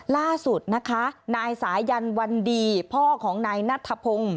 ล่าสุดนะคะนายสายันวันดีพ่อของนายนัทธพงศ์